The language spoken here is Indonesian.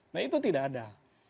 nah itu tidak ada